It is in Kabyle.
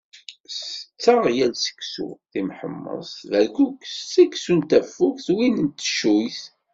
Tetteɣ yal seksu: timḥemmeṣt, berkukes, seksu n tafukt, win n teccuyt...